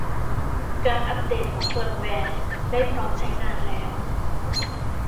การอัพเดตของเฟิร์มแวร์ได้พร้อมใช้งานแล้ว